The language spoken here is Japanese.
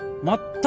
あっ！